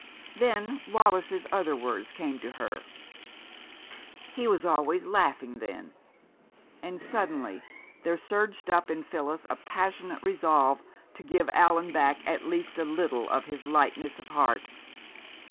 Then Wallis's other words came to her, "He was always laughing then," and suddenly there surged up in Phyllis a passionate resolve to give Allan back at least a little of his lightness of heart.